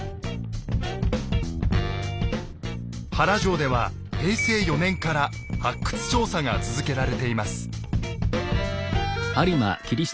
原城では平成４年から発掘調査が続けられています。